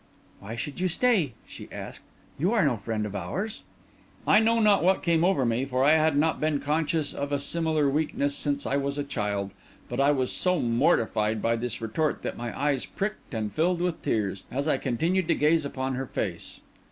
"Why should you stay?" she asked. "You are no friend of ours." I know not what came over me, for I had not been conscious of a similar weakness since I was a child, but I was so mortified by this retort that my eyes pricked and filled with tears, as I continued to gaze upon her face.